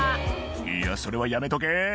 いやそれはやめとけ！